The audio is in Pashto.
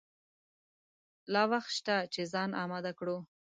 لا وخت شته چې ځان آمده کړو.